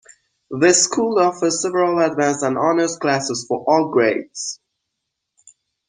The school offers several advanced and honors classes for all grades.